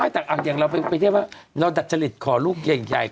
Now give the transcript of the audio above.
อย่างเราไปเทียบว่าเราดัจจริตขอลูกใหญ่